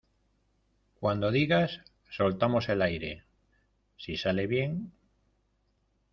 cuando digas, soltamos el aire. si sale bien